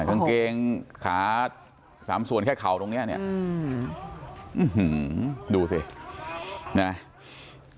กางเกงขา๓ส่วนแค่เข่าตรงเนี้ยเนี้ยอื้อหือดูสิเนี้ย